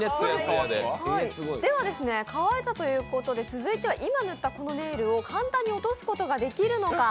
乾いたということで、続いては今塗った、このネイルを簡単に落とすことができるのか。